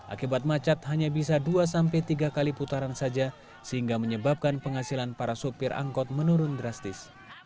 akibat macet hanya bisa dua tiga kali putaran saja sehingga menyebabkan penghasilan para sopir angkot menurun drastis